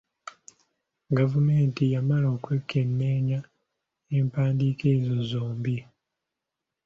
Gavumenti yamala okwekenneenya empandiika ezo zombi.